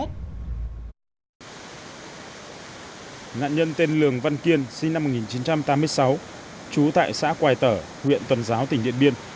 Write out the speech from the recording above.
nạn nhân tên lường văn kiên sinh năm một nghìn chín trăm tám mươi sáu trú tại xã quài tở huyện tuần giáo tỉnh điện biên